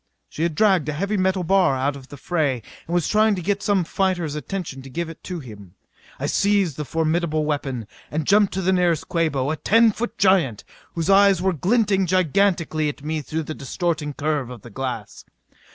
She had dragged a heavy metal bar out to the fray and was trying to get some fighter's attention and give it to him. I seized the formidable weapon and jumped at the nearest Quabo, a ten foot giant whose eyes were glinting gigantically at me through the distorting curve of the glass.